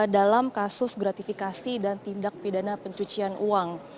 dalam kasus gratifikasi dan tindak pidana pencucian uang